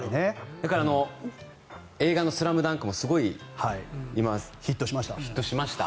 だから映画の「ＳＬＡＭＤＵＮＫ」もすごい今、ヒットしました。